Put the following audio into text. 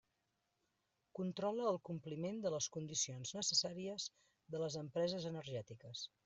Controla el compliment de les condicions necessàries de les empreses energètiques.